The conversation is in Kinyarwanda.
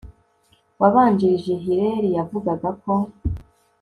wabanjirije hillel, yavugaga ko